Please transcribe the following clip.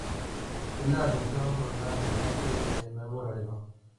Es la estación con más alcance en Nuevo Laredo.